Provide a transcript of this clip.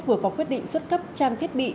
vừa có quyết định xuất cấp trang thiết bị